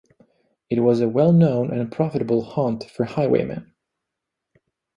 It was a well-known and profitable haunt for highwaymen.